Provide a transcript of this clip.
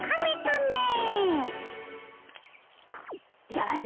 だれ？